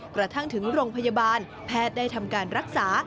กระทั่งถึงโรงพยาบาลแพทย์ได้ทำการรักษา